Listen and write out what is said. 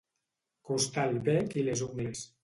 Costar el bec i les ungles.